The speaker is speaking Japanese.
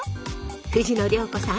藤野涼子さん